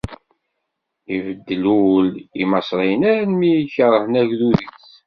Ibeddel ul n Imaṣriyen armi i kerhen agdud-is.